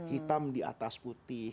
hitam di atas putih